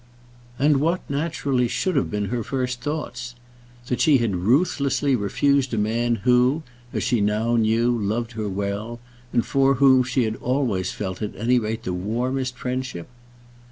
And what naturally should have been her first thoughts? that she had ruthlessly refused a man who, as she now knew, loved her well, and for whom she had always felt at any rate the warmest friendship?